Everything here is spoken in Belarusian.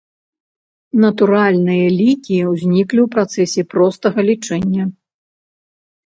Натуральныя лікі ўзніклі ў працэсе простага лічэння.